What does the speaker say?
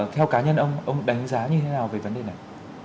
theo cá nhân ông ông đánh giá như thế nào về vấn đề này